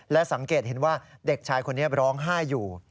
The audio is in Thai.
และสังเกตเห็นว่าเด็กชายคนนี้ร้องไห้อยู่